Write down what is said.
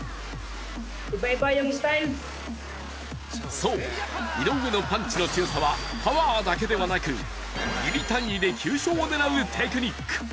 そう、井上のパンチの強さはパワーだけではなく、ミリ単位で急所を狙うテクニック。